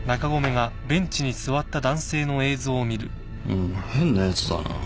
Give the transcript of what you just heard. うん変なやつだな。